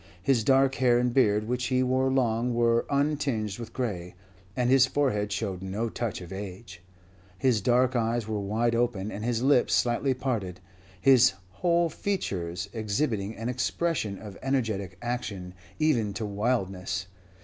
His dark hair and beard, which he wore long, were untinged with gray, and his forehead showed no touch of age. His dark eyes were wide open, and his lips slightly parted, his whole features exhibiting an expression of energetic action, even to wildness.